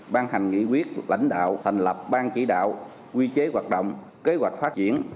ban hành nghị quyết lãnh đạo thành lập ban chỉ đạo quy chế hoạt động kế hoạch phát triển